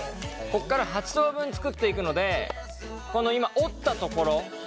ここから８等分作っていくのでこの今折った所を合わせます。